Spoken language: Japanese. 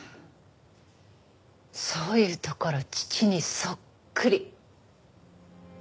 そういうところ父にそっくり。